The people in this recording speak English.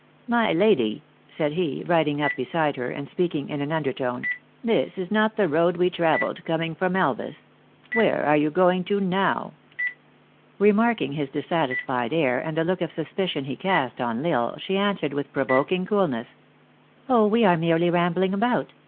" My Lady," said he, riding up beside her, and speaking in an under tone, " this is not the road we traveled coming from Elvas. Where are you going to now ?" Remarking his dissatisfied air, and the look of sus picion he cast on L Isle, she answered, with provoking coolness, " Oh, we are merely rambling about